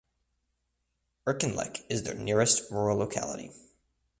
Irkenlek is the nearest rural locality.